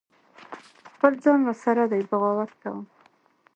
خپل ځان را سره دی بغاوت کوم